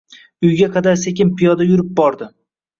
Uyga qadar sekin piyoda yurib bordi